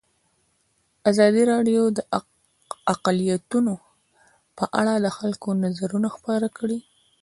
ازادي راډیو د اقلیتونه په اړه د خلکو نظرونه خپاره کړي.